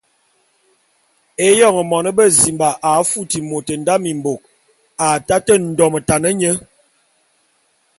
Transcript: Éyoñ mône bezimba a futi môt nda mimbôk, a taté ndometan nye.